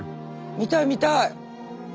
見たい見たい。